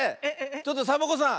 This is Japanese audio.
ちょっとサボ子さん